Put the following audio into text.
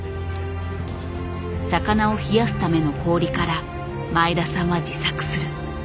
魚を冷やすための氷から前田さんは自作する。